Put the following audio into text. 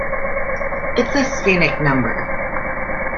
It is a sphenic number.